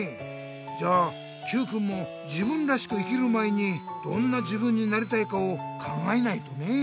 じゃあＱくんも自分らしく生きる前にどんな自分になりたいかを考えないとね。